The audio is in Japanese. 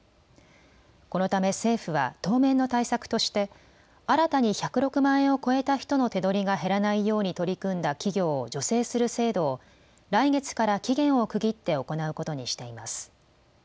このため政府は当面の対策として新たに１０６万円を超えた人の手取りが減らないように取り組んだ企業を助成する制度を来月から期限を区切って行うことにしています。